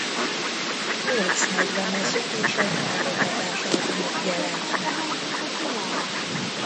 Nyolc nagylemezük és egy válogatásalbumuk jelent meg.